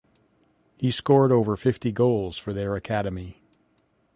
He scored over fifty goals for their academy.